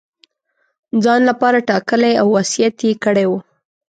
ځان لپاره ټاکلی او وصیت یې کړی وو.